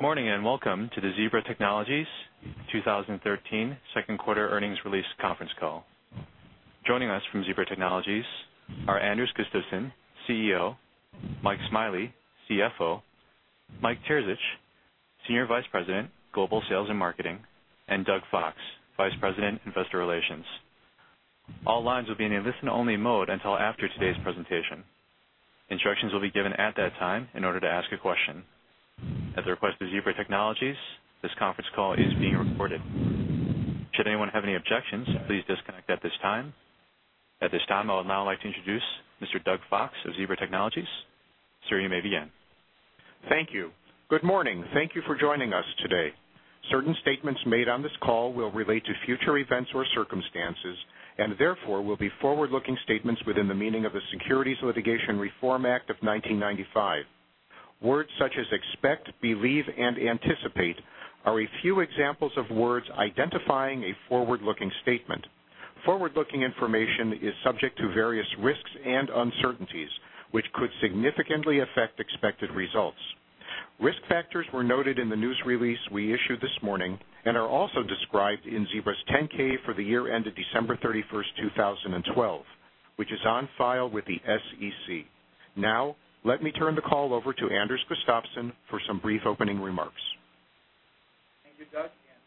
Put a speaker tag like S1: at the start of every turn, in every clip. S1: ...Good morning, and welcome to the Zebra Technologies 2013 second quarter earnings release conference call. Joining us from Zebra Technologies are Anders Gustafsson, CEO, Mike Smiley, CFO, Mike Terzich, Senior Vice President, Global Sales and Marketing, and Doug Fox, Vice President, Investor Relations. All lines will be in a listen-only mode until after today's presentation. Instructions will be given at that time in order to ask a question. At the request of Zebra Technologies, this conference call is being recorded. Should anyone have any objections, please disconnect at this time. At this time, I would now like to introduce Mr. Doug Fox of Zebra Technologies. Sir, you may begin.
S2: Thank you. Good morning. Thank you for joining us today. Certain statements made on this call will relate to future events or circumstances, and therefore will be forward-looking statements within the meaning of the Securities Litigation Reform Act of 1995. Words such as expect, believe, and anticipate are a few examples of words identifying a forward-looking statement. Forward-looking information is subject to various risks and uncertainties, which could significantly affect expected results. Risk factors were noted in the news release we issued this morning and are also described in Zebra's 10-K for the year ended December 31, 2012, which is on file with the SEC. Now, let me turn the call over to Anders Gustafsson for some brief opening remarks.
S3: Thank you, Doug, and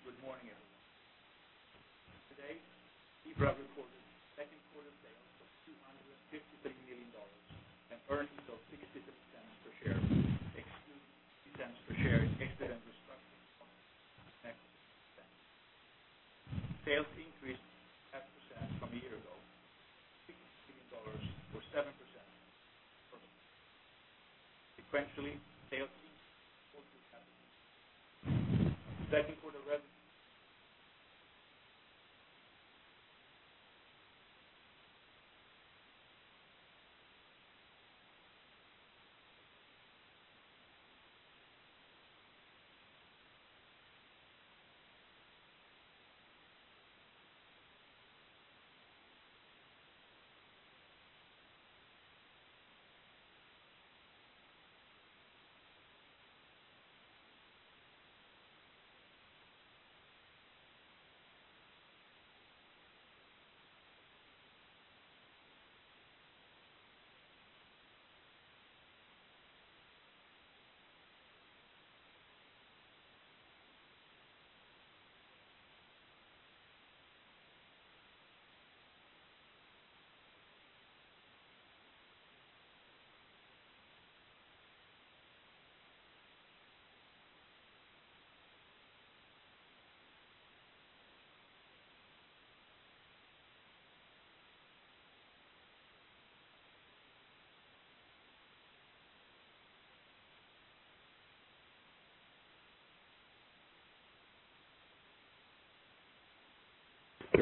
S3: good morning, everyone. Today, Zebra reported second quarter sales of $253 million and earnings of $0.60 per share, excluding $0.03 per share in exit and restructuring costs and acquisition expenses. Sales increased 2.5% from a year ago, $60 million, or 7% from the first. Sequentially, sales increased in all geographic regions. Second quarter revenue-
S1: Okay.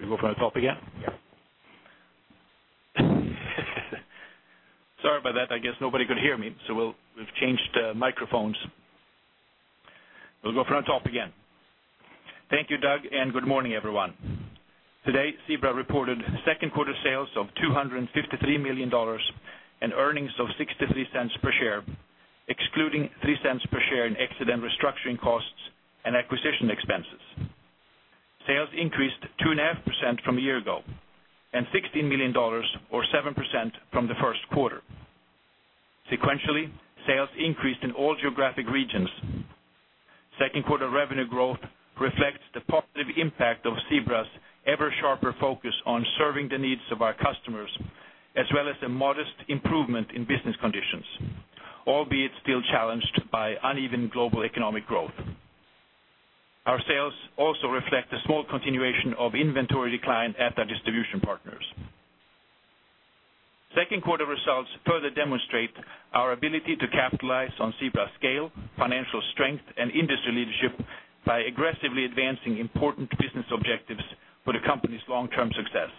S1: We go from the top again?
S3: Yeah. Sorry about that. I guess nobody could hear me, so we've changed microphones. We'll go from the top again. Thank you, Doug, and good morning, everyone. Today, Zebra reported second quarter sales of $253 million and earnings of $0.63 per share, excluding $0.03 per share in exit and restructuring costs and acquisition expenses. Sales increased 2.5% from a year ago, and $16 million or 7% from the first quarter. Sequentially, sales increased in all geographic regions. Second quarter revenue growth reflects the positive impact of Zebra's ever sharper focus on serving the needs of our customers, as well as a modest improvement in business conditions, albeit still challenged by uneven global economic growth. Our sales also reflect a small continuation of inventory decline at our distribution partners. Second quarter results further demonstrate our ability to capitalize on Zebra's scale, financial strength, and industry leadership by aggressively advancing important business objectives for the company's long-term success.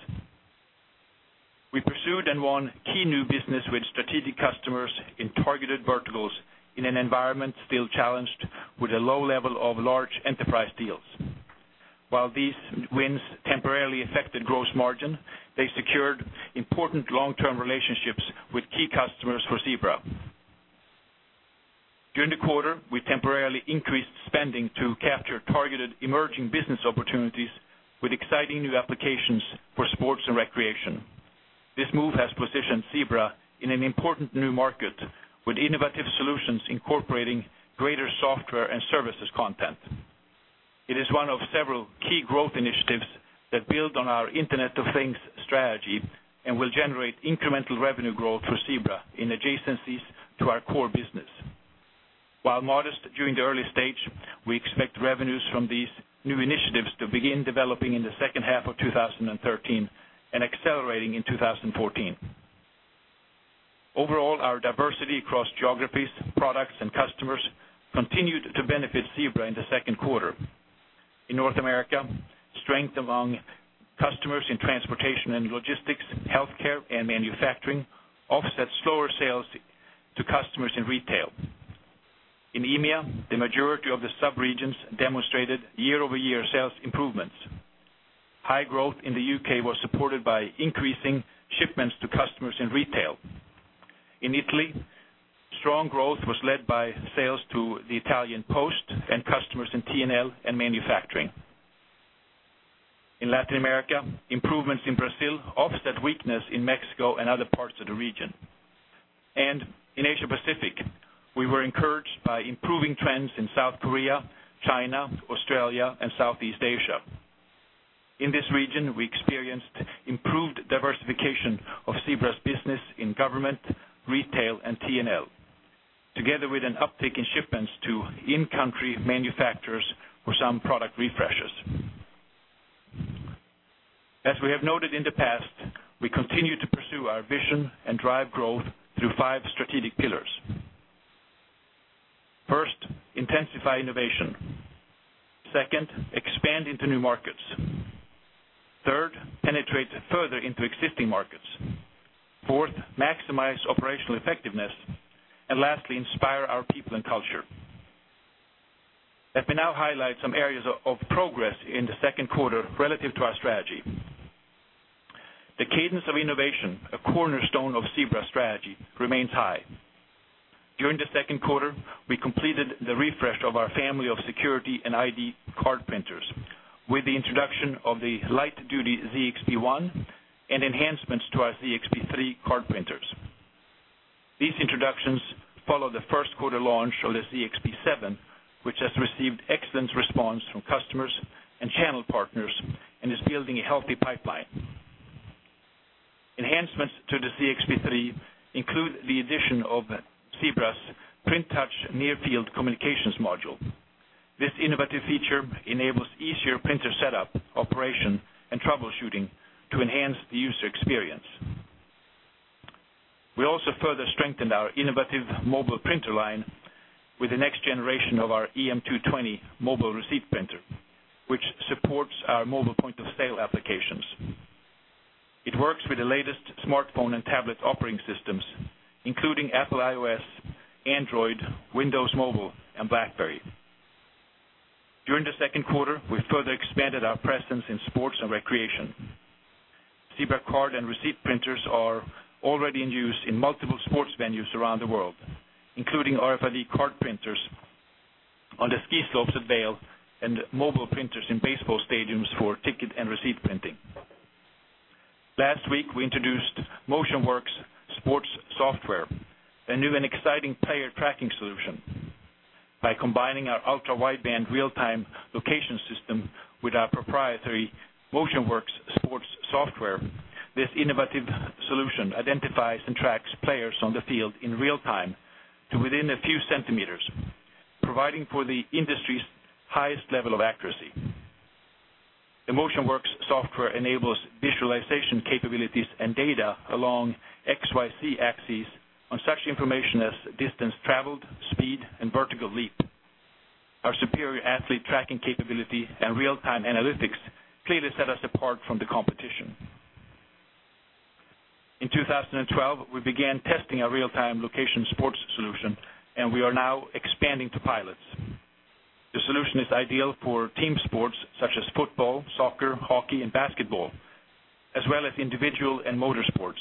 S3: We pursued and won key new business with strategic customers in targeted verticals in an environment still challenged with a low level of large enterprise deals. While these wins temporarily affected gross margin, they secured important long-term relationships with key customers for Zebra. During the quarter, we temporarily increased spending to capture targeted emerging business opportunities with exciting new applications for sports and recreation. This move has positioned Zebra in an important new market with innovative solutions incorporating greater software and services content. It is one of several key growth initiatives that build on our Internet of Things strategy and will generate incremental revenue growth for Zebra in adjacencies to our core business. While modest during the early stage, we expect revenues from these new initiatives to begin developing in the second half of 2013 and accelerating in 2014. Overall, our diversity across geographies, products, and customers continued to benefit Zebra in the second quarter. In North America, strength among customers in transportation and logistics, healthcare, and manufacturing offset slower sales to customers in retail. In EMEA, the majority of the subregions demonstrated year-over-year sales improvements. High growth in the U.K. was supported by increasing shipments to customers in retail. In Italy, strong growth was led by sales to the Italian Post and customers in T&L and manufacturing. In Latin America, improvements in Brazil offset weakness in Mexico and other parts of the region. In Asia Pacific, we were encouraged by improving trends in South Korea, China, Australia, and Southeast Asia. In this region, we experienced improved diversification of Zebra's business in government, retail, and T&L, together with an uptick in shipments to in-country manufacturers for some product refreshes. As we have noted in the past, we continue to pursue our vision and drive growth through five strategic pillars. First, intensify innovation, second, expand into new markets, third, penetrate further into existing markets, fourth, maximize operational effectiveness, and lastly, inspire our people and culture. Let me now highlight some areas of progress in the second quarter relative to our strategy. The cadence of innovation, a cornerstone of Zebra's strategy, remains high. During the second quarter, we completed the refresh of our family of security and ID card printers, with the introduction of the light duty ZXP 1 and enhancements to our ZXP 3 card printers. These introductions follow the first quarter launch of the ZXP 7, which has received excellent response from customers and channel partners and is building a healthy pipeline. Enhancements to the ZXP 3 include the addition of Zebra's Print Touch near field communications module. This innovative feature enables easier printer setup, operation, and troubleshooting to enhance the user experience. We also further strengthened our innovative mobile printer line with the next generation of our EM220 mobile receipt printer, which supports our mobile point-of-sale applications. It works with the latest smartphone and tablet operating systems, including Apple iOS, Android, Windows Mobile, and BlackBerry. During the second quarter, we further expanded our presence in sports and recreation. Zebra card and receipt printers are already in use in multiple sports venues around the world, including RFID card printers on the ski slopes at Vail and mobile printers in baseball stadiums for ticket and receipt printing. Last week, we introduced MotionWorks sports software, a new and exciting player tracking solution. By combining our ultra-wideband real-time location system with our proprietary MotionWorks sports software, this innovative solution identifies and tracks players on the field in real time to within a few centimeters, providing for the industry's highest level of accuracy. The MotionWorks software enables visualization capabilities and data along XYZ axes on such information as distance traveled, speed, and vertical leap. Our superior athlete tracking capability and real-time analytics clearly set us apart from the competition. In 2012, we began testing our real-time location sports solution, and we are now expanding to pilots. The solution is ideal for team sports such as football, soccer, hockey, and basketball, as well as individual and motor sports.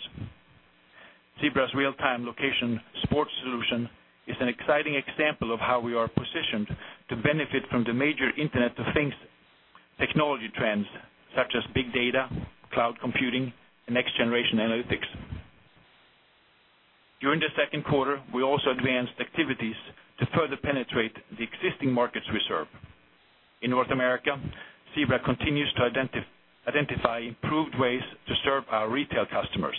S3: Zebra's real-time location sports solution is an exciting example of how we are positioned to benefit from the major Internet of Things technology trends, such as big data, cloud computing, and next-generation analytics. During the second quarter, we also advanced activities to further penetrate the existing markets we serve. In North America, Zebra continues to identify improved ways to serve our retail customers.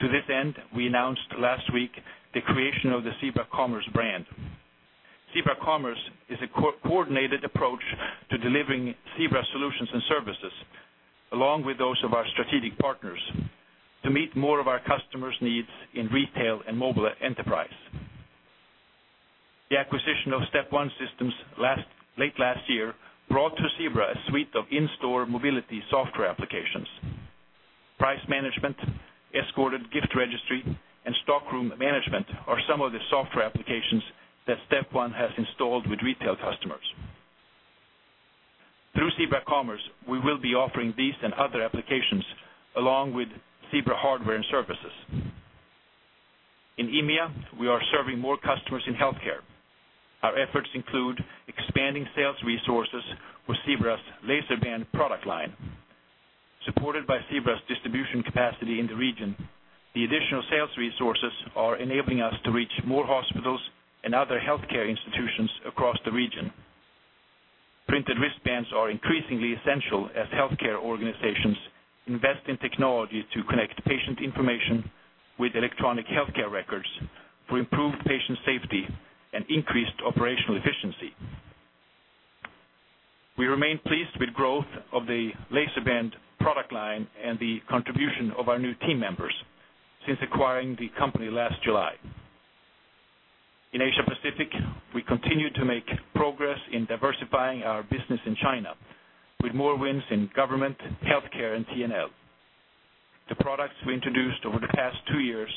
S3: To this end, we announced last week the creation of the Zebra Commerce brand. Zebra Commerce is a coordinated approach to delivering Zebra solutions and services, along with those of our strategic partners, to meet more of our customers' needs in retail and mobile enterprise. The acquisition of StepOne Systems late last year brought to Zebra a suite of in-store mobility software applications. Price management, escorted gift registry, and stock room management are some of the software applications that StepOne has installed with retail customers. Through Zebra Commerce, we will be offering these and other applications, along with Zebra hardware and services. In EMEA, we are serving more customers in healthcare. Our efforts include expanding sales resources with Zebra's LaserBand product line. Supported by Zebra's distribution capacity in the region, the additional sales resources are enabling us to reach more hospitals and other healthcare institutions across the region. Printed wristbands are increasingly essential as healthcare organizations invest in technology to connect patient information with electronic healthcare records for improved patient safety and increased operational efficiency. We remain pleased with growth of the LaserBand product line and the contribution of our new team members since acquiring the company last July. In Asia Pacific, we continue to make progress in diversifying our business in China, with more wins in government, healthcare, and T&L. The products we introduced over the past two years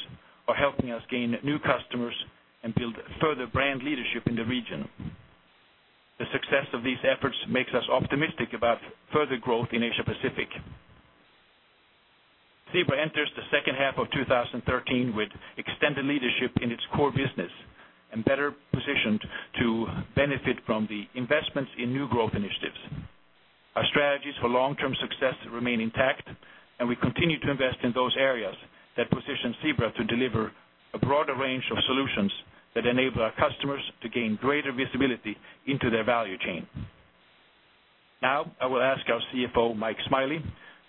S3: are helping us gain new customers and build further brand leadership in the region. The success of these efforts makes us optimistic about further growth in Asia Pacific. Zebra enters the second half of 2013 with extended leadership in its core business, and better positioned to benefit from the investments in new growth initiatives. Our strategies for long-term success remain intact, and we continue to invest in those areas that position Zebra to deliver a broader range of solutions that enable our customers to gain greater visibility into their value chain. Now, I will ask our CFO, Mike Smiley,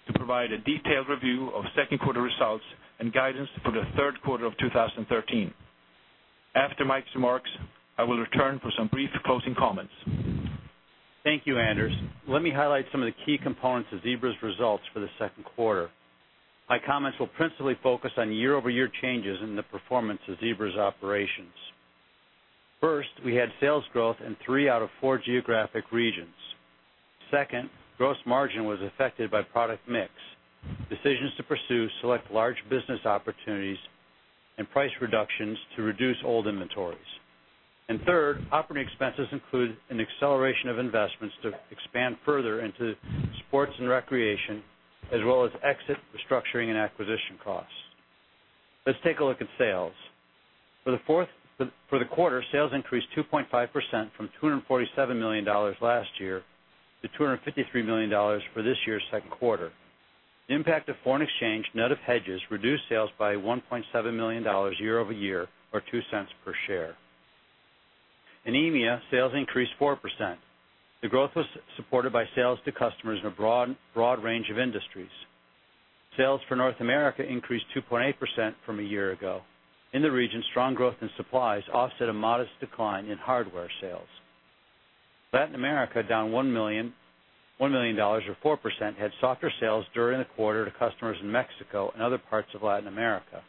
S3: to provide a detailed review of second quarter results and guidance for the third quarter of 2013. After Mike's remarks, I will return for some brief closing comments.
S4: Thank you, Anders. Let me highlight some of the key components of Zebra's results for the second quarter. My comments will principally focus on year-over-year changes in the performance of Zebra's operations. First, we had sales growth in three out of four geographic regions. Second, gross margin was affected by product mix, decisions to pursue select large business opportunities and price reductions to reduce old inventories. And third, operating expenses include an acceleration of investments to expand further into sports and recreation, as well as exit, restructuring, and acquisition costs. Let's take a look at sales. For the quarter, sales increased 2.5% from $247 million last year to $253 million for this year's second quarter. The impact of foreign exchange net of hedges reduced sales by $1.7 million year-over-year, or 2 cents per share. In EMEA, sales increased 4%. The growth was supported by sales to customers in a broad, broad range of industries. Sales for North America increased 2.8% from a year ago. In the region, strong growth in supplies offset a modest decline in hardware sales. Latin America, down $1 million, or 4%, had softer sales during the quarter to customers in Mexico and other parts of Latin America.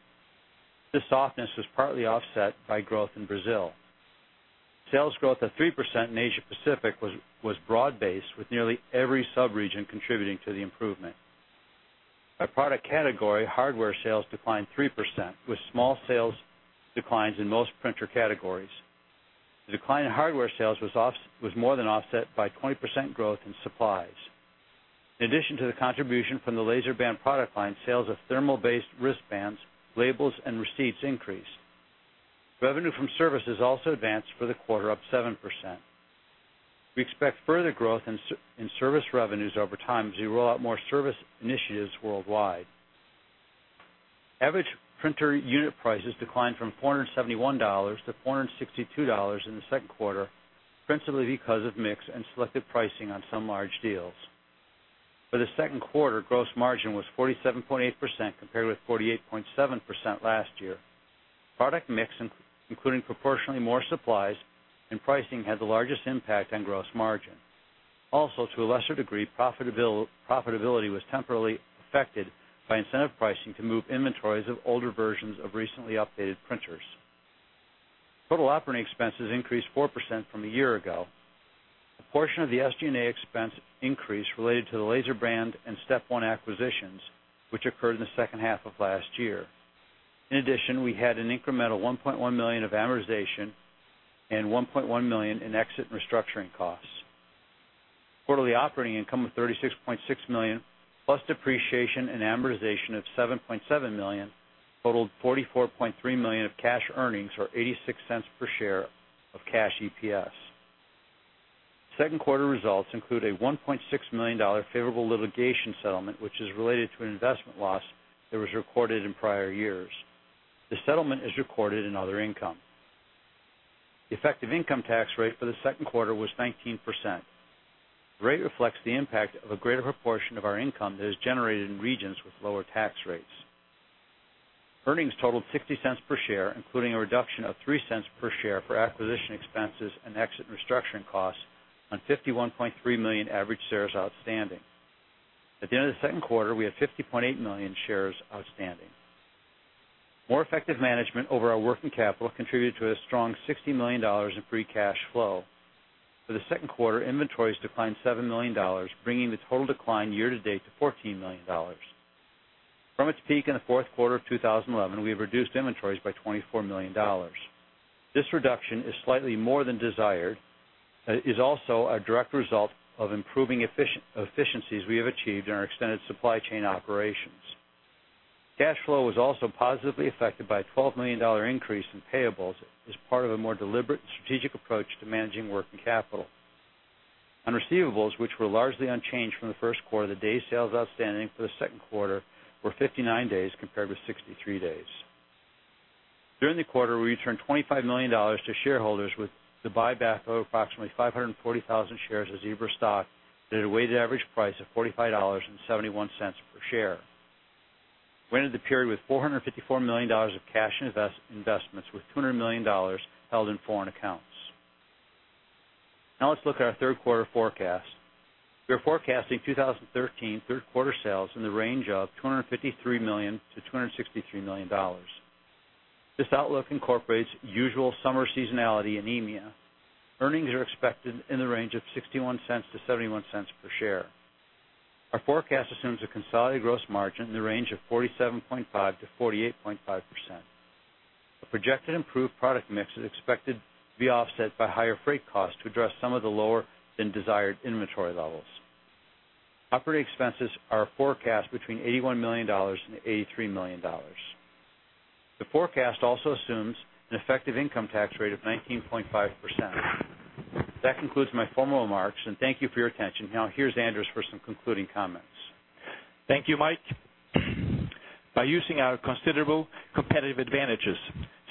S4: This softness was partly offset by growth in Brazil. Sales growth of 3% in Asia Pacific was broad-based, with nearly every sub-region contributing to the improvement. By product category, hardware sales declined 3%, with small sales declines in most printer categories. The decline in hardware sales was more than offset by 20% growth in supplies. In addition to the contribution from the LaserBand product line, sales of thermal-based wristbands, labels, and receipts increased. Revenue from services also advanced for the quarter, up 7%. We expect further growth in service revenues over time as we roll out more service initiatives worldwide. Average printer unit prices declined from $471 to $462 in the second quarter, principally because of mix and selective pricing on some large deals. For the second quarter, gross margin was 47.8%, compared with 48.7% last year. Product mix, including proportionally more supplies and pricing, had the largest impact on gross margin. Also, to a lesser degree, profitability was temporarily affected by incentive pricing to move inventories of older versions of recently updated printers. Total operating expenses increased 4% from a year ago. A portion of the SG&A expense increase related to the LaserBand and StepOne acquisitions, which occurred in the second half of last year. In addition, we had an incremental $1.1 million of amortization and $1.1 million in exit and restructuring costs. Quarterly operating income of $36.6 million, plus depreciation and amortization of $7.7 million, totaled $44.3 million of cash earnings, or $0.86 per share of cash EPS. Second quarter results include a $1.6 million favorable litigation settlement, which is related to an investment loss that was recorded in prior years. The settlement is recorded in other income. The effective income tax rate for the second quarter was 19%. The rate reflects the impact of a greater proportion of our income that is generated in regions with lower tax rates. Earnings totaled $0.60 per share, including a reduction of $0.03 per share for acquisition expenses and exit and restructuring costs on 51.3 million average shares outstanding. At the end of the second quarter, we had 50.8 million shares outstanding. More effective management over our working capital contributed to a strong $60 million in free cash flow. For the second quarter, inventories declined $7 million, bringing the total decline year to date to $14 million. From its peak in the fourth quarter of 2011, we have reduced inventories by $24 million. This reduction is slightly more than desired, is also a direct result of improving efficiencies we have achieved in our extended supply chain operations. Cash flow was also positively affected by a $12 million increase in payables as part of a more deliberate strategic approach to managing working capital. On receivables, which were largely unchanged from the first quarter, the days sales outstanding for the second quarter were 59 days, compared with 63 days. During the quarter, we returned $25 million to shareholders with the buyback of approximately 540,000 shares of Zebra stock at a weighted average price of $45.71 per share. We ended the period with $454 million of cash in investments, with $200 million held in foreign accounts. Now let's look at our third quarter forecast. We are forecasting 2013 third quarter sales in the range of $253 million-$263 million. This outlook incorporates usual summer seasonality and EMEA. Earnings are expected in the range of $0.61-$0.71 per share. Our forecast assumes a consolidated gross margin in the range of 47.5%-48.5%. A projected improved product mix is expected to be offset by higher freight costs to address some of the lower than desired inventory levels. Operating expenses are forecast between $81 million and $83 million. The forecast also assumes an effective income tax rate of 19.5%. That concludes my formal remarks, and thank you for your attention. Now, here's Anders for some concluding comments.
S3: Thank you, Mike. By using our considerable competitive advantages,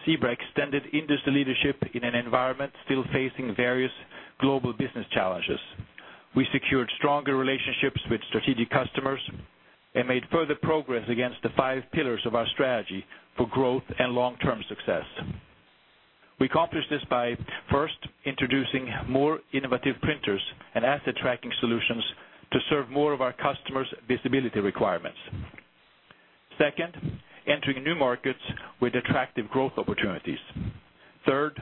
S3: Zebra extended industry leadership in an environment still facing various global business challenges. We secured stronger relationships with strategic customers and made further progress against the five pillars of our strategy for growth and long-term success. We accomplished this by first, introducing more innovative printers and asset tracking solutions to serve more of our customers' visibility requirements. Second, entering new markets with attractive growth opportunities. Third,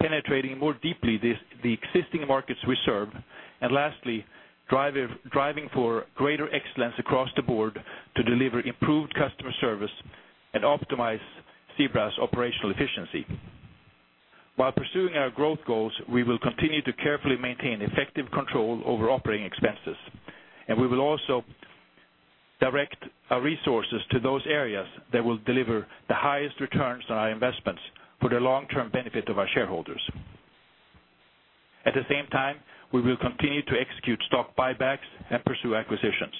S3: penetrating more deeply the existing markets we serve. And lastly, driving for greater excellence across the board to deliver improved customer service and optimize Zebra's operational efficiency. While pursuing our growth goals, we will continue to carefully maintain effective control over operating expenses, and we will also direct our resources to those areas that will deliver the highest returns on our investments for the long-term benefit of our shareholders. At the same time, we will continue to execute stock buybacks and pursue acquisitions.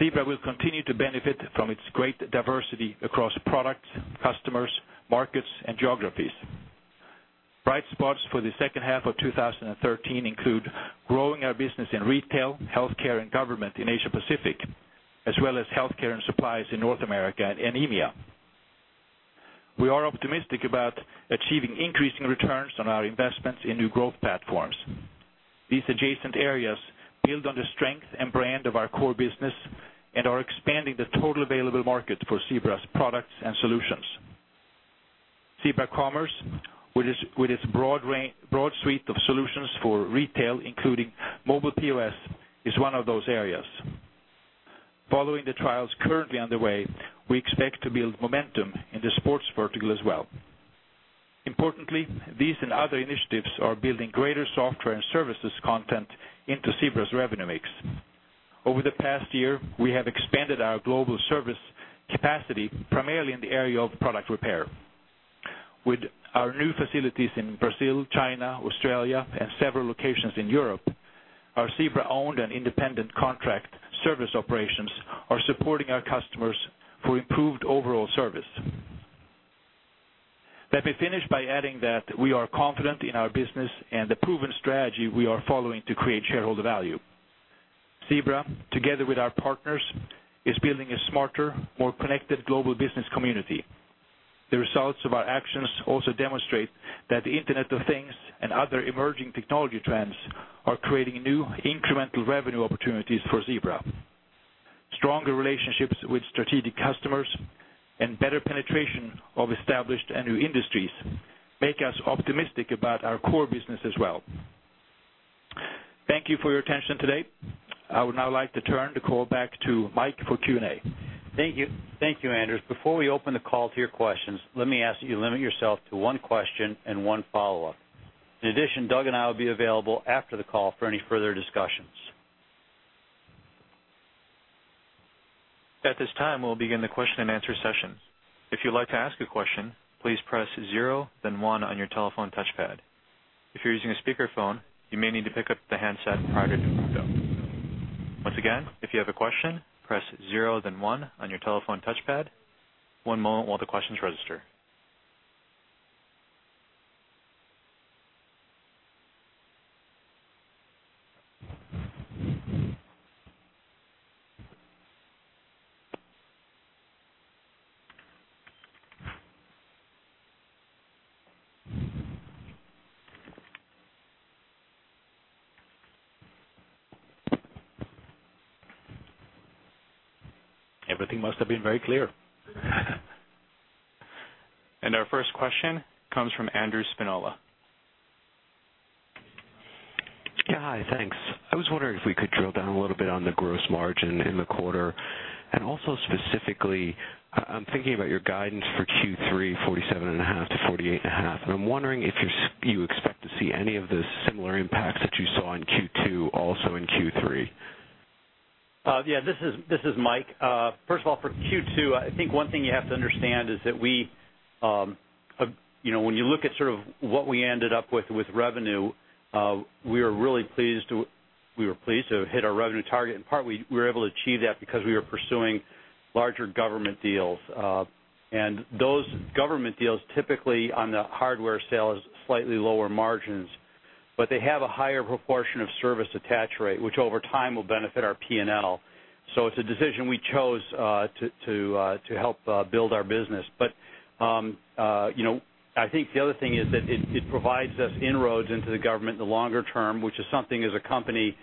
S3: Zebra will continue to benefit from its great diversity across products, customers, markets, and geographies. Bright spots for the second half of 2013 include growing our business in retail, healthcare, and government in Asia Pacific, as well as healthcare and supplies in North America and EMEA. We are optimistic about achieving increasing returns on our investments in new growth platforms. These adjacent areas build on the strength and brand of our core business and are expanding the total available market for Zebra's products and solutions. Zebra Commerce, with its broad range, broad suite of solutions for retail, including mobile POS, is one of those areas. Following the trials currently underway, we expect to build momentum in the sports vertical as well. Importantly, these and other initiatives are building greater software and services content into Zebra's revenue mix. Over the past year, we have expanded our global service capacity, primarily in the area of product repair. With our new facilities in Brazil, China, Australia, and several locations in Europe, our Zebra-owned and independent contract service operations are supporting our customers for improved overall service. Let me finish by adding that we are confident in our business and the proven strategy we are following to create shareholder value. Zebra, together with our partners, is building a smarter, more connected global business community. The results of our actions also demonstrate that the Internet of Things and other emerging technology trends are creating new incremental revenue opportunities for Zebra. Stronger relationships with strategic customers and better penetration of established and new industries make us optimistic about our core business as well. Thank you for your attention today. I would now like to turn the call back to Mike for Q&A.
S4: Thank you. Thank you, Anders. Before we open the call to your questions, let me ask that you limit yourself to one question and one follow-up. In addition, Doug and I will be available after the call for any further discussions.
S1: At this time, we'll begin the question and answer session. If you'd like to ask a question, please press zero, then one on your telephone touchpad. If you're using a speakerphone, you may need to pick up the handset prior to doing so. Once again, if you have a question, press zero, then one on your telephone touchpad. One moment while the questions register.
S3: Everything must have been very clear.
S1: Our first question comes from Andrew Spinola.
S5: Yeah, hi, thanks. I was wondering if we could drill down a little bit on the gross margin in the quarter, and also specifically, I, I'm thinking about your guidance for Q3, 47.5%-48.5%. And I'm wondering if you're, you expect to see any of the similar impacts that you saw in Q2, also in Q3?
S4: Yeah, this is, this is Mike. First of all, for Q2, I think one thing you have to understand is that we, you know, when you look at sort of what we ended up with, with revenue, we are really pleased to, we were pleased to hit our revenue target. In part, we were able to achieve that because we were pursuing larger government deals. And those government deals, typically on the hardware sale, is slightly lower margins, but they have a higher proportion of service attach rate, which over time will benefit our PNL. So it's a decision we chose, to, to, to help build our business. But, you know, I think the other thing is that it provides us inroads into the government in the longer term, which is something as a company,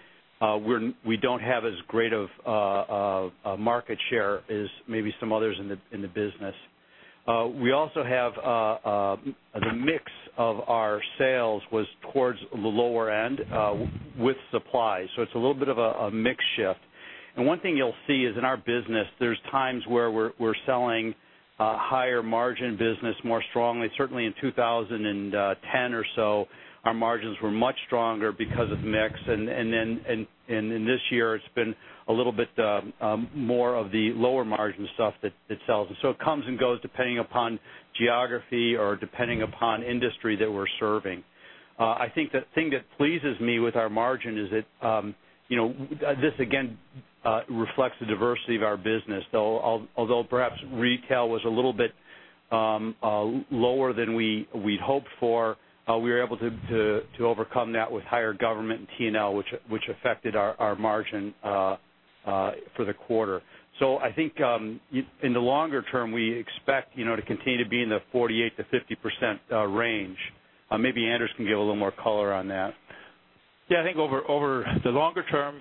S4: we don't have as great of a market share as maybe some others in the business. We also have the mix of our sales was towards the lower end with supply, so it's a little bit of a mix shift. And one thing you'll see is in our business, there's times where we're selling higher margin business more strongly. Certainly, in 2010 or so, our margins were much stronger because of mix. And then in this year, it's been a little bit more of the lower margin stuff that sells. So it comes and goes, depending upon geography or depending upon industry that we're serving. I think the thing that pleases me with our margin is that, you know, this again, reflects the diversity of our business. Though, although perhaps retail was a little bit, lower than we'd hoped for, we were able to to overcome that with higher government and T&L, which affected our margin, for the quarter. So I think, in the longer term, we expect, you know, to continue to be in the 48%-50% range. Maybe Anders can give a little more color on that.
S3: Yeah, I think over the longer term,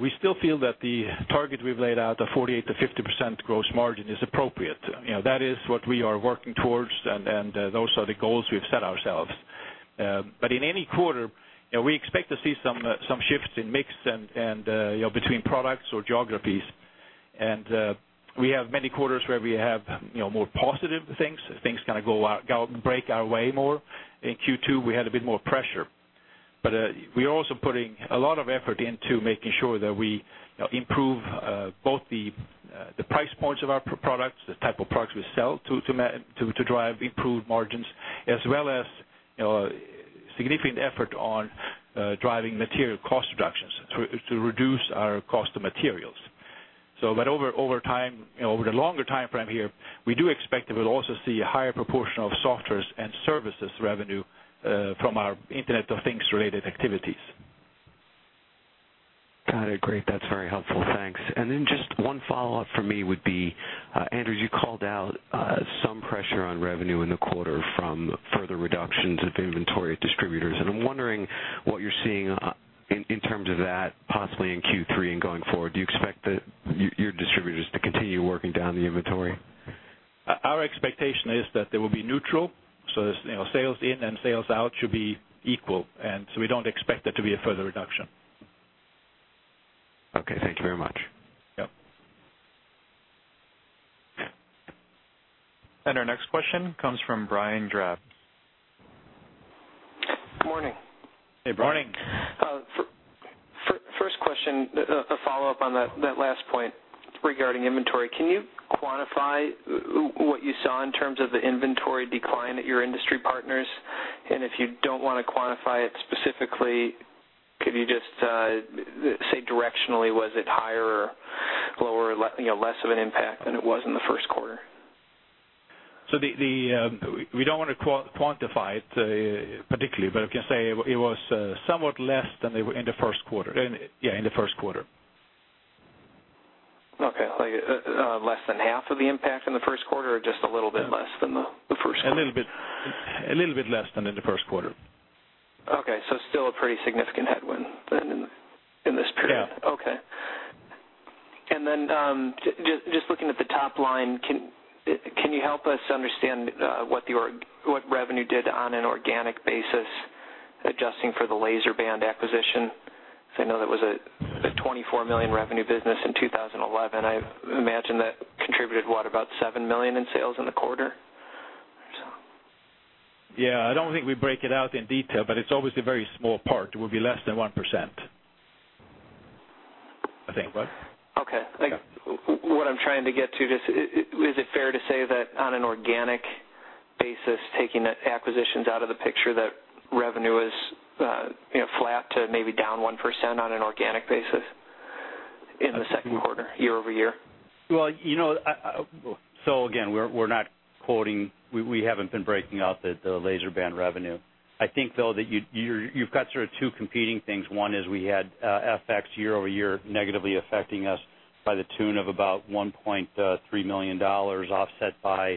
S3: we still feel that the target we've laid out, the 48%-50% gross margin, is appropriate. You know, that is what we are working towards, and those are the goals we've set ourselves. But in any quarter, you know, we expect to see some shifts in mix and, you know, between products or geographies. And we have many quarters where we have, you know, more positive things. Things kind of go out- go break our way more. In Q2, we had a bit more pressure. But we are also putting a lot of effort into making sure that we, you know, improve both the price points of our products, the type of products we sell, to drive improved margins, as well as, you know, significant effort on driving material cost reductions, to reduce our cost of materials. But over time, you know, over the longer timeframe here, we do expect that we'll also see a higher proportion of software and services revenue from our Internet of Things-related activities.
S5: Got it. Great. That's very helpful. Thanks. And then just one follow-up for me would be, Anders, you called out, some pressure on revenue in the quarter from further reductions of inventory at distributors, and I'm wondering what you're seeing, in terms of that, possibly in Q3 and going forward. Do you expect that your distributors to continue working down the inventory?
S3: Our expectation is that they will be neutral, so, you know, sales in and sales out should be equal, and so we don't expect there to be a further reduction.
S1: Okay, thank you very much.
S3: Yep.
S1: Our next question comes from Brian Drab.
S6: Good morning.
S3: Hey, Brian.
S6: Good morning. First question, a follow-up on that last point regarding inventory. Can you quantify what you saw in terms of the inventory decline at your industry partners? And if you don't want to quantify it specifically, could you just say directionally, was it higher or lower or, you know, less of an impact than it was in the first quarter?
S4: So, we don't want to quantify it particularly, but I can say it was somewhat less than it was in the first quarter, yeah, in the first quarter.
S6: Okay. Less than half of the impact in the first quarter, or just a little bit less than the, the first quarter?
S4: A little bit, a little bit less than in the first quarter.
S6: Okay, so still a pretty significant headwind then in this period?
S4: Yeah.
S6: Okay. And then, just looking at the top line, can you help us understand what revenue did on an organic basis, adjusting for the LaserBand acquisition? Because I know that was a $24 million revenue business in 2011. I imagine that contributed, what, about $7 million in sales in the quarter or so.
S4: Yeah, I don't think we break it out in detail, but it's obviously a very small part. It would be less than 1%, I think. What?
S6: Okay.
S4: Yeah.
S6: What I'm trying to get to, just, is it fair to say that on an organic basis, taking the acquisitions out of the picture, that revenue is, you know, flat to maybe down 1% on an organic basis in the second quarter, year-over-year?
S4: Well, you know, So again, we're not quoting, we haven't been breaking out the LaserBand revenue. I think, though, that you've got sort of two competing things. One is we had FX year-over-year negatively affecting us by the tune of about $1.3 million, offset by,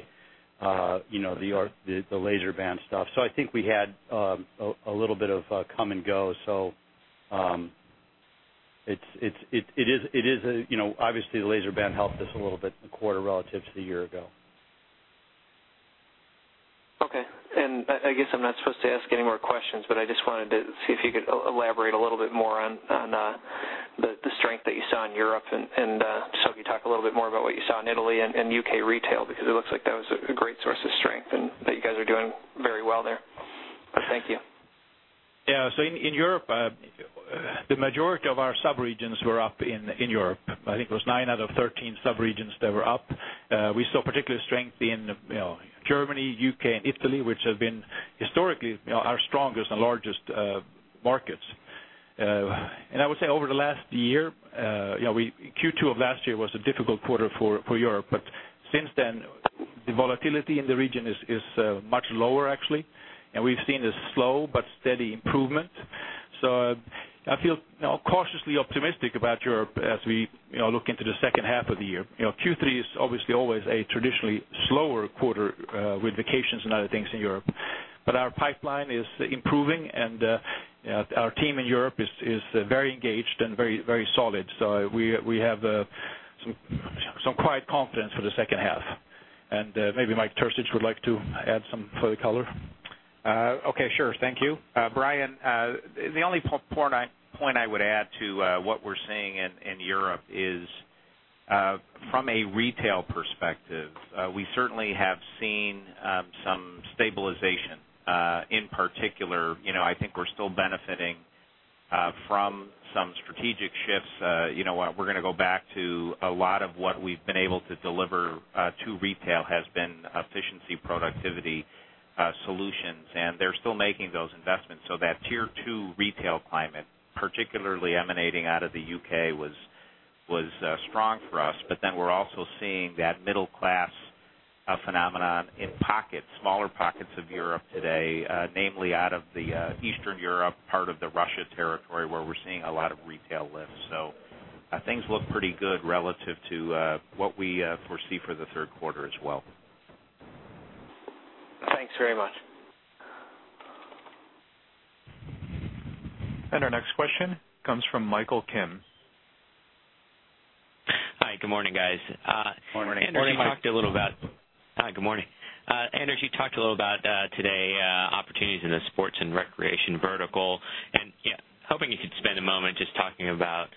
S4: you know, the LaserBand stuff. So I think we had a little bit of come and go. So, it's, you know, obviously, the LaserBand helped us a little bit in the quarter relative to the year ago.
S6: Okay, and I guess I'm not supposed to ask any more questions, but I just wanted to see if you could elaborate a little bit more on the strength that you saw in Europe and so if you talk a little bit more about what you saw in Italy and U.K. retail, because it looks like that was a great source of strength, and that you guys are doing very well there. Thank you.
S4: Yeah. So in, in Europe, the majority of our subregions were up in, in Europe. I think it was nine out of 13 subregions that were up. We saw particular strength in, you know, Germany, U.K., and Italy, which have been historically, you know, our strongest and largest, markets. And I would say over the last year, you know, Q2 of last year was a difficult quarter for, for Europe. But since then, the volatility in the region is, is, much lower, actually, and we've seen a slow but steady improvement. So I feel cautiously optimistic about Europe as we, you know, look into the second half of the year. You know, Q3 is obviously always a traditionally slower quarter, with vacations and other things in Europe. But our pipeline is improving, and our team in Europe is very engaged and very solid. So we have some quiet confidence for the second half. And maybe Mike Terzich would like to add some further color.
S7: Okay, sure. Thank you. Brian, the only point I would add to what we're seeing in Europe is from a retail perspective, we certainly have seen some stabilization. In particular, you know, I think we're still benefiting from some strategic shifts. You know, we're gonna go back to a lot of what we've been able to deliver to retail has been efficiency, productivity solutions, and they're still making those investments. So that tier two retail climate, particularly emanating out of the U.K., was strong for us. But then we're also seeing that middle class phenomenon in pockets, smaller pockets of Europe today, namely out of the Eastern Europe, part of the Russia territory, where we're seeing a lot of retail lifts. So, things look pretty good relative to what we foresee for the third quarter as well.
S1: Thanks very much. Our next question comes from Michael Kim.
S8: Hi, good morning, guys.
S3: Good morning.
S7: Good morning.
S8: Hi, good morning. Anders, you talked a little about today opportunities in the sports and recreation vertical, and yeah, hoping you could spend a moment just talking about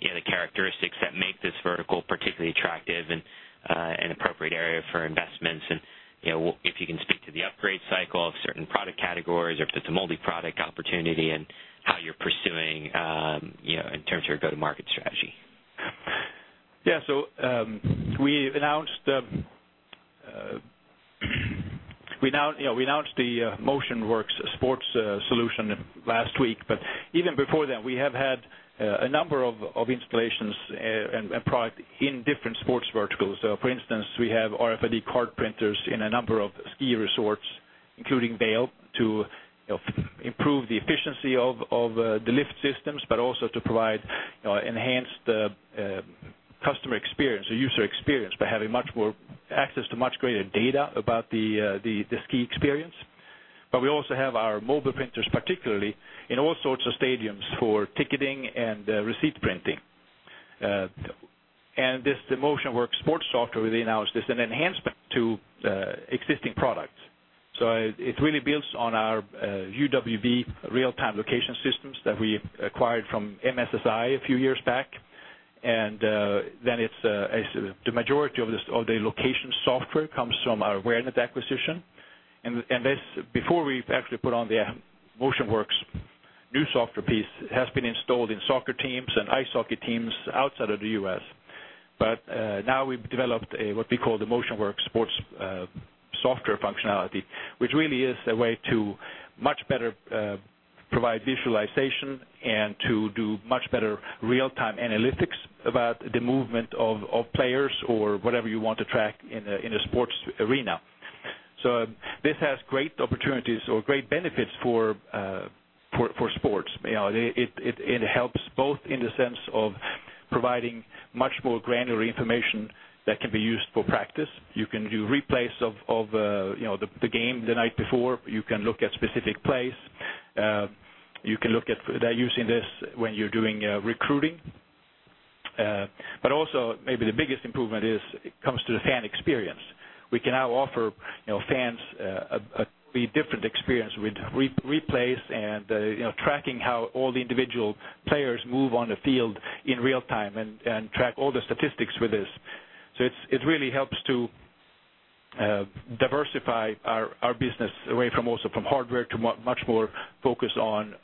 S8: you know, the characteristics that make this vertical particularly attractive and an appropriate area for investments. And you know, if you can speak to the upgrade cycle of certain product categories, or if it's a multi-product opportunity, and how you're pursuing you know, in terms of your go-to-market strategy.
S3: Yeah. So, we've announced, you know, we announced the MotionWorks sports solution last week, but even before that, we have had a number of installations and product in different sports verticals. So for instance, we have RFID card printers in a number of ski resorts, including Vail, to, you know, improve the efficiency of the lift systems, but also to provide, you know, enhanced customer experience or user experience, by having much more access to much greater data about the ski experience. But we also have our mobile printers, particularly in all sorts of stadiums, for ticketing and receipt printing. And this, the MotionWorks sports software we announced, is an enhancement to existing products. So it really builds on our UWB real-time location systems that we acquired from MSSI a few years back. And then it's the majority of the location software comes from our WhereNet acquisition. And this, before we've actually put on the MotionWorks new software piece, it has been installed in soccer teams and ice hockey teams outside of the US. But now we've developed what we call the MotionWorks sports software functionality, which really is a way to much better provide visualization and to do much better real-time analytics about the movement of players or whatever you want to track in a sports arena. So this has great opportunities or great benefits for sports. You know, it helps both in the sense of providing much more granular information that can be used for practice. You can do replays of, you know, the game the night before. You can look at specific plays. You can look at using this when you're doing recruiting. But also, maybe the biggest improvement is it comes to the fan experience. We can now offer, you know, fans a different experience with replays and, you know, tracking how all the individual players move on the field in real time and track all the statistics with this. So it really helps to diversify our business away from also from hardware to much more focused on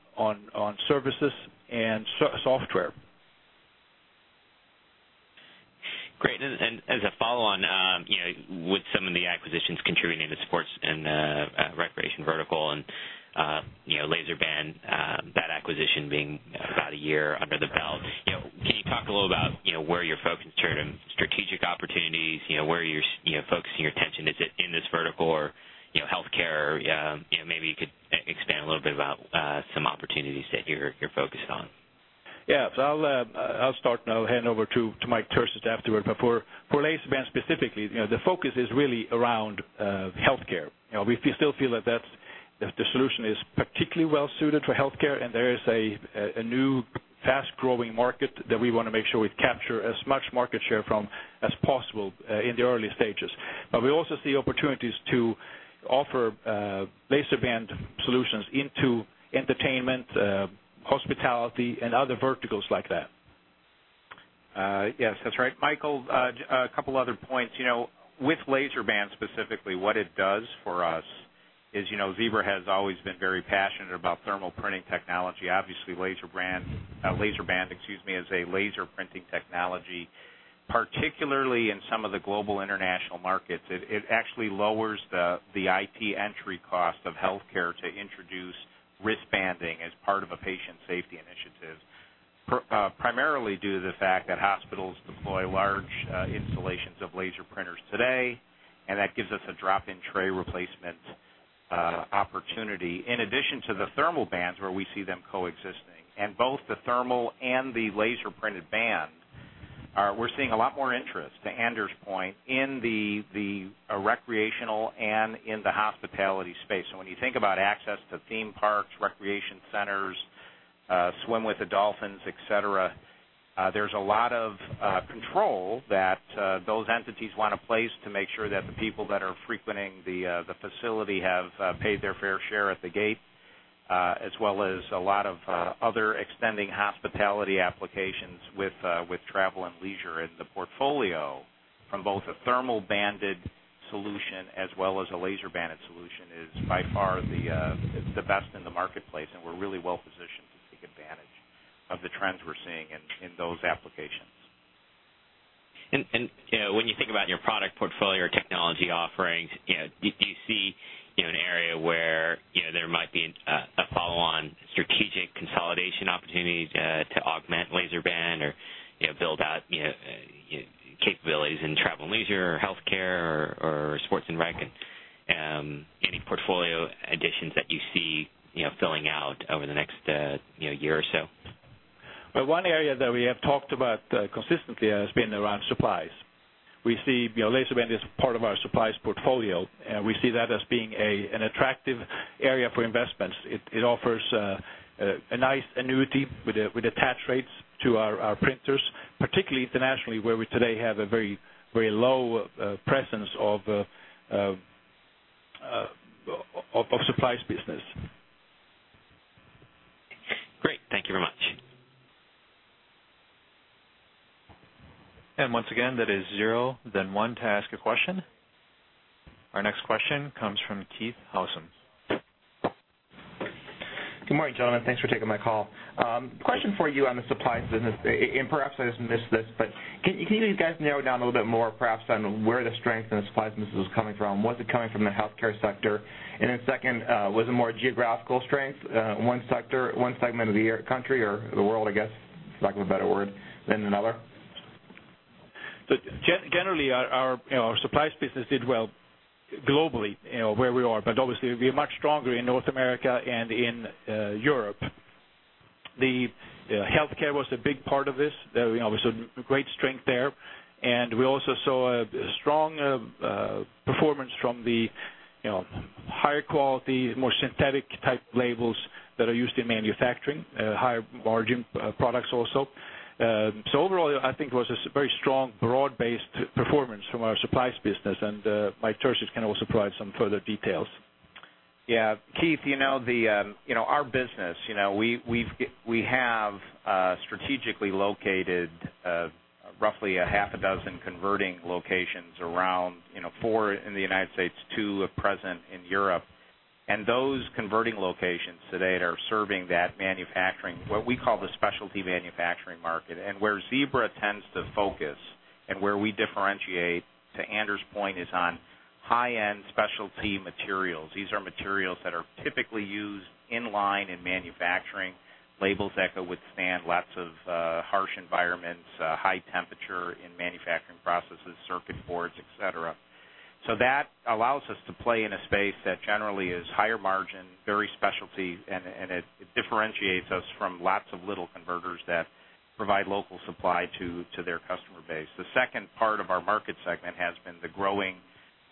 S3: services and software.
S8: Great. And as a follow-on, you know, would some of the acquisitions contributing to sports and recreation vertical and, you know, LaserBand, that acquisition being about a year under the belt, you know, can you talk a little about, you know, where you're focused in terms of strategic opportunities? You know, where are you, you know, focusing your attention? Is it in this vertical or, you know, healthcare? You know, maybe you could expand a little bit about some opportunities that you're focused on.
S3: Yeah. So I'll, I'll start now, hand over to, to Mike Terzich afterward. But for, for LaserBand specifically, you know, the focus is really around, healthcare. You know, we still feel that, that the solution is particularly well suited for healthcare, and there is a, a new fast-growing market that we want to make sure we capture as much market share from as possible, in the early stages. But we also see opportunities to offer, LaserBand solutions into entertainment, hospitality, and other verticals like that.
S7: Yes, that's right. Michael, a couple other points. You know, with LaserBand specifically, what it does for us is, you know, Zebra has always been very passionate about thermal printing technology. Obviously, LaserBand, excuse me, is a laser printing technology, particularly in some of the global international markets. It actually lowers the IT entry cost of healthcare to introduce wristbanding as part of a patient safety initiative. Primarily due to the fact that hospitals deploy large installations of laser printers today, and that gives us a drop-in tray replacement opportunity. In addition to the thermal bands, where we see them coexisting, and both the thermal and the laser printed band, we're seeing a lot more interest, to Anders' point, in the recreational and in the hospitality space. So when you think about access to theme parks, recreation centers, swim with the dolphins, et cetera, there's a lot of control that those entities want to place to make sure that the people that are frequenting the facility have paid their fair share at the gate, as well as a lot of other extending hospitality applications with travel and leisure in the portfolio from both a thermal banded solution as well as a LaserBand solution is by far the best in the marketplace. And we're really well positioned to take advantage of the trends we're seeing in those applications.
S8: And, you know, when you think about your product portfolio or technology offerings, you know, do you see, you know, an area where, you know, there might be a follow-on strategic consolidation opportunity to augment LaserBand or, you know, build out, you know, capabilities in travel and leisure or healthcare or sports and rec? Any portfolio additions that you see, you know, filling out over the next, you know, year or so?
S3: Well, one area that we have talked about consistently has been around supplies. We see, you know, LaserBand as part of our supplies portfolio, and we see that as being an attractive area for investments. It offers a nice annuity with attach rates to our printers, particularly internationally, where we today have a very, very low presence of supplies business.
S8: Great. Thank you very much.
S1: Once again, that is zero, then one to ask a question. Our next question comes from Keith Housum.
S9: Good morning, gentlemen. Thanks for taking my call. Question for you on the supplies business, and perhaps I just missed this, but can you guys narrow down a little bit more, perhaps, on where the strength in the supplies business is coming from? Was it coming from the healthcare sector? And then second, was it more geographical strength, one sector, one segment of the country or the world, I guess, lack of a better word, than another?
S3: So generally, our you know, our supplies business did well globally, you know, where we are, but obviously, we're much stronger in North America and in Europe. The healthcare was a big part of this. There you know, was a great strength there. And we also saw a strong performance from the you know, higher quality, more synthetic type labels that are used in manufacturing higher margin products also. So overall, I think it was a very strong, broad-based performance from our supplies business. And Mike Terzich can also provide some further details.
S7: Yeah, Keith, you know, the, you know, our business, you know, we have strategically located roughly half a dozen converting locations around, you know, four in the United States, two are present in Europe. And those converting locations today are serving that manufacturing, what we call the specialty manufacturing market, and where Zebra tends to focus and where we differentiate, to Anders' point, is on high-end specialty materials. These are materials that are typically used in line in manufacturing, labels that could withstand lots of harsh environments, high temperature in manufacturing processes, circuit boards, et cetera. So that allows us to play in a space that generally is higher margin, very specialty, and it differentiates us from lots of little converters that provide local supply to their customer base. The second part of our market segment has been the growing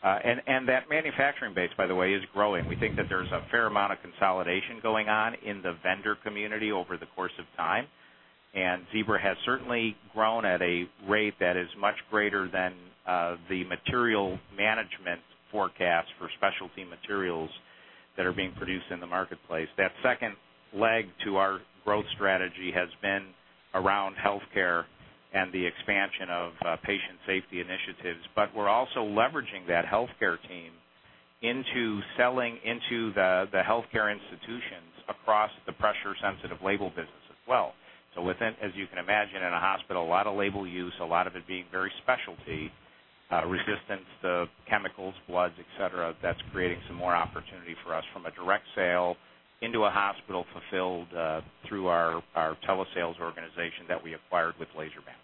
S7: and that manufacturing base, by the way, is growing. We think that there's a fair amount of consolidation going on in the vendor community over the course of time, and Zebra has certainly grown at a rate that is much greater than the material management forecast for specialty materials that are being produced in the marketplace. That second leg to our growth strategy has been around healthcare and the expansion of patient safety initiatives. But we're also leveraging that healthcare team into selling into the healthcare institutions across the pressure-sensitive label business as well. So within, as you can imagine, in a hospital, a lot of label use, a lot of it being very specialty, resistance to chemicals, bloods, et cetera, that's creating some more opportunity for us from a direct sale into a hospital fulfilled through our telesales organization that we acquired with LaserBand.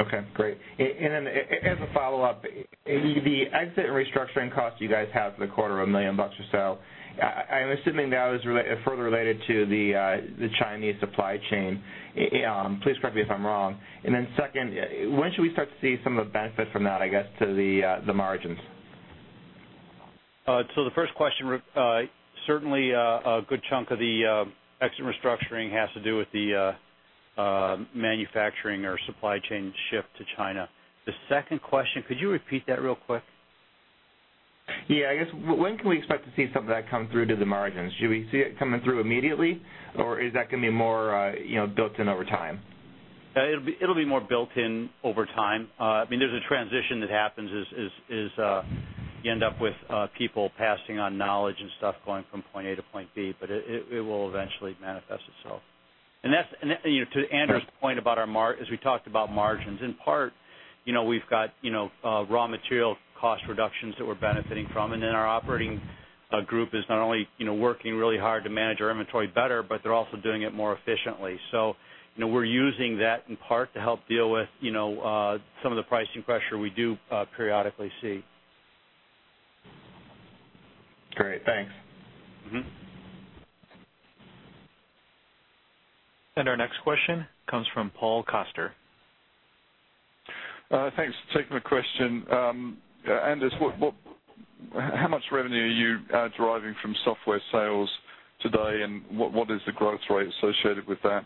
S9: Okay, great. And then as a follow-up, the exit and restructuring costs you guys have for the quarter of $1 million or so, I'm assuming that was further related to the Chinese supply chain. Please correct me if I'm wrong. And then second, when should we start to see some of the benefit from that, I guess, to the margins?
S7: The first question, certainly, a good chunk of the exit restructuring has to do with the manufacturing or supply chain shift to China. The second question, could you repeat that real quick?
S9: Yeah, I guess, when can we expect to see some of that come through to the margins? Should we see it coming through immediately, or is that going to be more, you know, built in over time?
S4: It'll be more built in over time. I mean, there's a transition that happens as you end up with people passing on knowledge and stuff going from point A to point B, but it will eventually manifest itself. And that's, you know, to Anders' point about our mar- as we talked about margins, in part,... you know, we've got, you know, raw material cost reductions that we're benefiting from. And then our operating group is not only, you know, working really hard to manage our inventory better, but they're also doing it more efficiently. So, you know, we're using that in part to help deal with, you know, some of the pricing pressure we do, periodically see.
S9: Great, thanks.
S4: Mm-hmm.
S1: Our next question comes from Paul Coster.
S10: Thanks for taking my question. Anders, how much revenue are you deriving from software sales today, and what is the growth rate associated with that?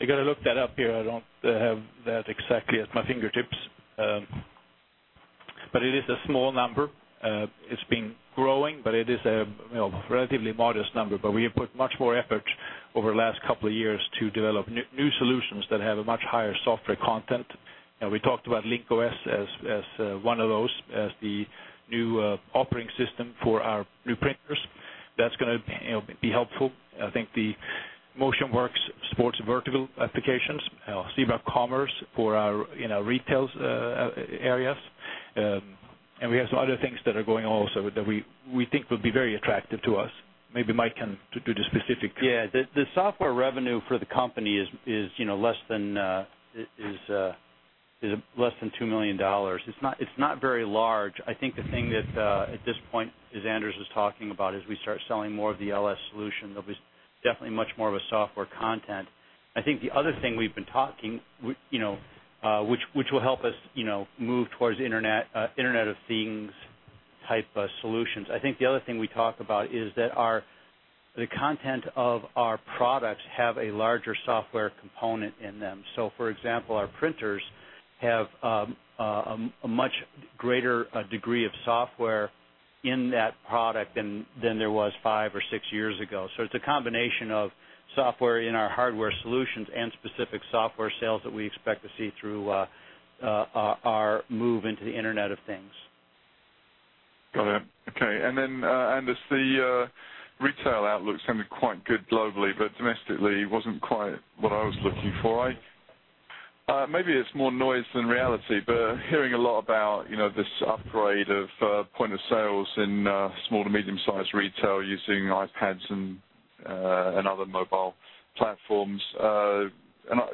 S3: I got to look that up here. I don't have that exactly at my fingertips. But it is a small number. It's been growing, but it is a, you know, relatively modest number. But we have put much more effort over the last couple of years to develop new solutions that have a much higher software content. And we talked about Link-OS as one of those, as the new operating system for our new printers. That's gonna, you know, be helpful. I think the MotionWorks sports vertical applications, Zebra Commerce for our, you know, retail areas. And we have some other things that are going on also that we think will be very attractive to us. Maybe Mike can do the specifics.
S4: Yeah. The software revenue for the company is, you know, less than $2 million. It's not very large. I think the thing that at this point, as Anders was talking about, as we start selling more of the LS solution, there'll be definitely much more of a software content. I think the other thing we've been talking, you know, which will help us, you know, move towards Internet of Things type of solutions. I think the other thing we talk about is that our the content of our products have a larger software component in them. So for example, our printers have a much greater degree of software in that product than there was five or six years ago. So it's a combination of software in our hardware solutions and specific software sales that we expect to see through our move into the Internet of Things.
S10: Got it. Okay. And then, Anders, the retail outlook sounded quite good globally, but domestically, it wasn't quite what I was looking for. Maybe it's more noise than reality, but hearing a lot about, you know, this upgrade of point of sales in small to medium-sized retail using iPads and, and other mobile platforms. And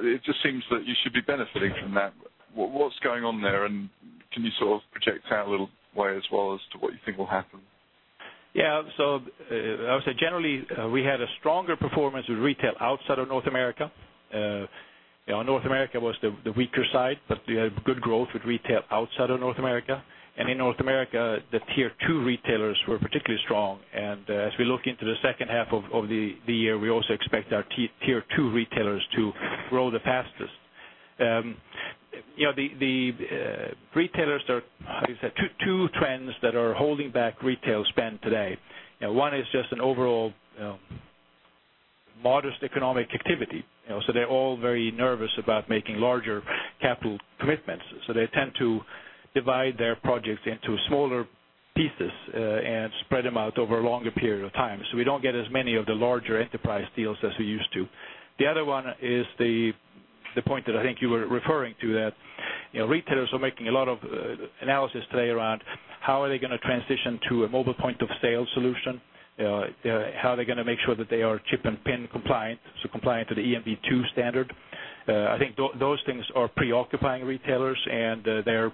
S10: it just seems that you should be benefiting from that. What's going on there, and can you sort of project out a little way as well as to what you think will happen?
S3: Yeah. So, I would say generally, we had a stronger performance with retail outside of North America. North America was the weaker side, but we had good growth with retail outside of North America. And in North America, the tier two retailers were particularly strong. And, as we look into the second half of the year, we also expect our tier two retailers to grow the fastest. You know, the retailers are... How do you say? Two trends that are holding back retail spend today. You know, one is just an overall modest economic activity. You know, so they're all very nervous about making larger capital commitments, so they tend to divide their projects into smaller pieces, and spread them out over a longer period of time, so we don't get as many of the larger enterprise deals as we used to. The other one is the point that I think you were referring to, that, you know, retailers are making a lot of analysis today around how are they going to transition to a mobile point of sale solution, how they're going to make sure that they are chip and pin compliant, so compliant to the EMV 2 standard. I think those things are preoccupying retailers, and, they're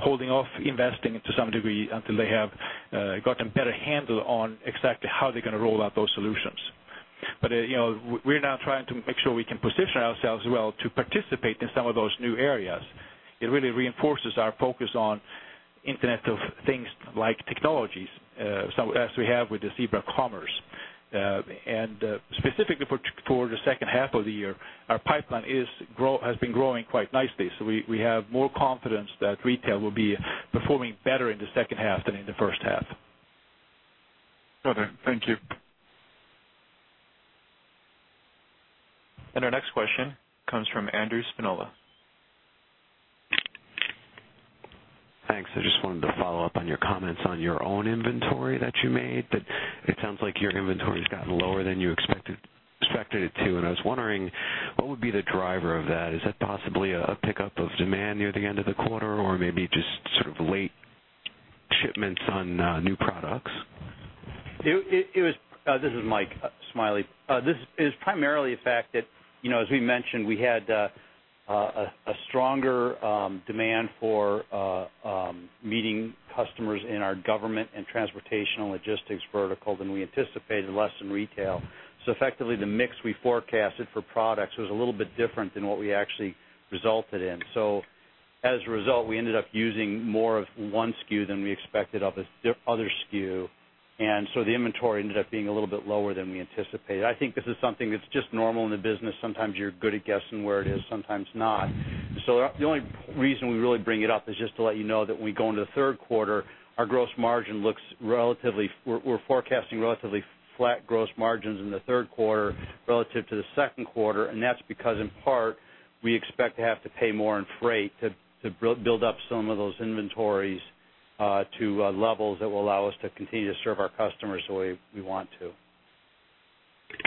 S3: holding off investing to some degree until they have gotten a better handle on exactly how they're going to roll out those solutions. But, you know, we're now trying to make sure we can position ourselves well to participate in some of those new areas. It really reinforces our focus on Internet of Things like technologies, so as we have with the Zebra Commerce. And, specifically for, for the second half of the year, our pipeline has been growing quite nicely, so we, we have more confidence that retail will be performing better in the second half than in the first half.
S10: Got it. Thank you.
S1: Our next question comes from Andrew Spinola.
S5: Thanks. I just wanted to follow up on your comments on your own inventory that you made, that it sounds like your inventory's gotten lower than you expected, expected it to. And I was wondering, what would be the driver of that? Is that possibly a pickup of demand near the end of the quarter, or maybe just sort of late shipments on new products?
S4: This is Mike Smiley. This is primarily the fact that, you know, as we mentioned, we had a stronger demand for meeting customers in our government and transportation and logistics vertical than we anticipated, less in retail. So effectively, the mix we forecasted for products was a little bit different than what we actually resulted in. So as a result, we ended up using more of one SKU than we expected of the other SKU, and so the inventory ended up being a little bit lower than we anticipated. I think this is something that's just normal in the business. Sometimes you're good at guessing where it is, sometimes not. So the only reason we really bring it up is just to let you know that when we go into the third quarter, our gross margin looks relatively, we're forecasting relatively flat gross margins in the third quarter relative to the second quarter, and that's because, in part, we expect to have to pay more in freight to build up some of those inventories to levels that will allow us to continue to serve our customers the way we want to.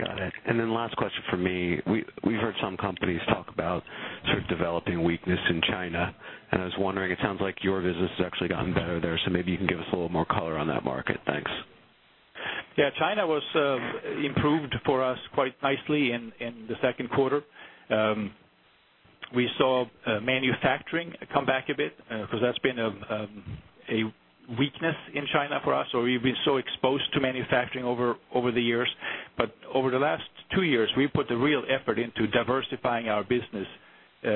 S5: Got it. Then last question for me. We've heard some companies talk about sort of developing weakness in China, and I was wondering, it sounds like your business has actually gotten better there, so maybe you can give us a little more color on that market. Thanks.
S3: Yeah, China was improved for us quite nicely in the second quarter. We saw manufacturing come back a bit because that's been a weakness in China for us, so we've been so exposed to manufacturing over the years. But over the last two years, we've put the real effort into diversifying our business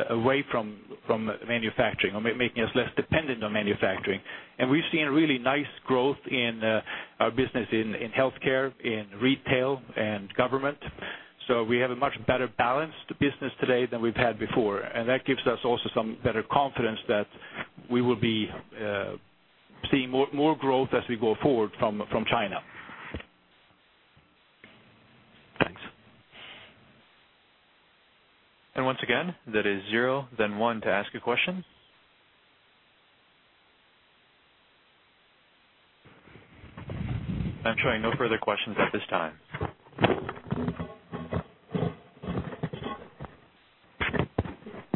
S3: away from manufacturing or making us less dependent on manufacturing. And we've seen a really nice growth in our business in healthcare, in retail, and government. So we have a much better balanced business today than we've had before, and that gives us also some better confidence that we will be seeing more growth as we go forward from China.
S5: Thanks.
S1: Once again, that is zero, then one to ask a question. I'm showing no further questions at this time.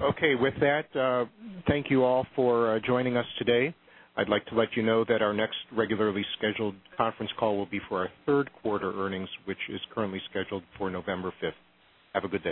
S4: Okay, with that, thank you all for joining us today. I'd like to let you know that our next regularly scheduled conference call will be for our third quarter earnings, which is currently scheduled for November fifth. Have a good day.